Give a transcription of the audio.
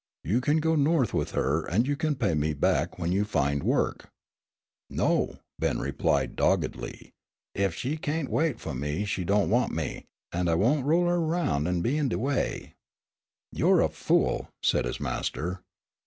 You can go North with her and you can pay me back when you find work." "No," replied Ben doggedly. "Ef she cain't wait fu' me she don' want me, an' I won't roller her erroun' an' be in de way." "You're a fool!" said his master.